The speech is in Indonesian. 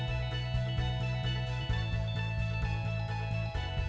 ini al critik yang diperlukan